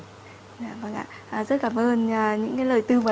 vâng ạ rất cảm ơn những lời tư vấn